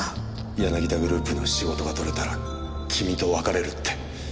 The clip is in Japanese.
ヤナギダグループの仕事が取れたら君と別れるって。